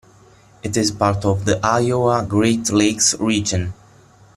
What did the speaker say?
It is part of the Iowa Great Lakes region.